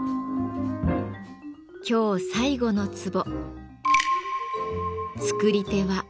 今日最後のツボ